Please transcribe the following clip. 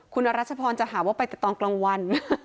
คุณอรัชพรจะหาว่าไปแต่ตอนกลางวัน